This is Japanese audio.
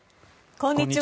こんにちは。